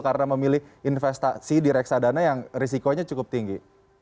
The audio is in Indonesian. karena memilih investasi di reksadana yang risikonya cukup tinggi